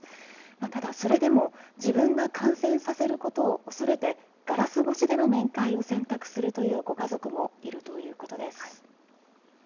ただ、それでも自分が感染させることを恐れて、ガラス越しでの面会を選択するというご家族もいるということです。